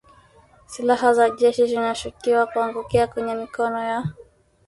Silaha za jeshi zinashukiwa kuangukia kwenye mikono ya